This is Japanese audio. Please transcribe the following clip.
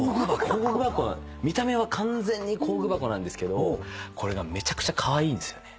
見た目は完全に工具箱なんですけどこれがめちゃくちゃカワイイんですよね。